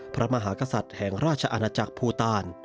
พระมหากษัตริย์แห่งราชอาณาจักรภูตาล